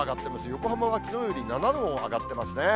横浜がきのうより７度も上がってますね。